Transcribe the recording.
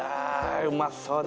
うまそうだ